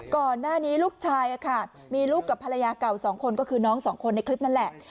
ก่อนหน้านี้ลูกชายมีลูกกับภรรยาเก่าสองคนก็คือน้องสองคนในคลิปนั่นแหละ